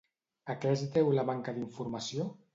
A què es deu la manca d'informació?